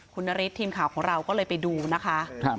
คุณนฤทธิ์ทีมข่าวของเราก็เลยไปดูนะคะ